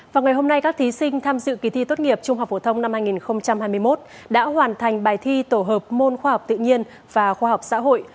vào ngày hôm nay các thí sinh tham dự kỳ thi tốt nghiệp trung học phổ thông năm hai nghìn hai mươi một đã hoàn thành bài thi tổ hợp môn khoa học tự nhiên và khoa học xã hội